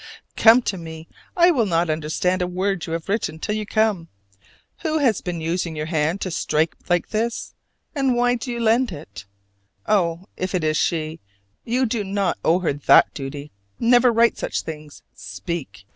Come to me! I will not understand a word you have written till you come. Who has been using your hand to strike me like this, and why do you lend it? Oh, if it is she, you do not owe her that duty! Never write such things: speak!